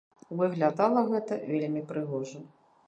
Выглядала гэта вельмі прыгожа.